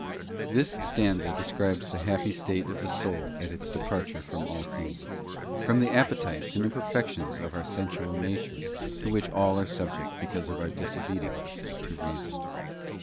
HIS stanza describes the happy state of the soul at its departure from all things, from the appetites and im perfections of our sensual nature to which all are subject because of our disobedience to reason.